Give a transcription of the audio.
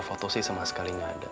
serta lebih dari jejak